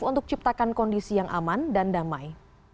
untuk ciptakan kondisi yang aman dan damai